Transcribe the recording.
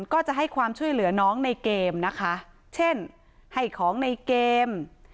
ก็จะให้ความช่วยเหลือน้องในเกมนะคะเช่นให้ของในเกม